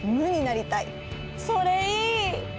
それいい！